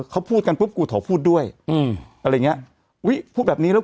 เขาพูดกันปุ๊บกูขอพูดด้วยอืมอะไรอย่างเงี้ยอุ้ยพูดแบบนี้แล้ว